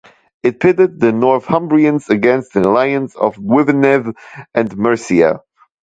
It pitted the Northumbrians against an alliance of Gwynedd and Mercia.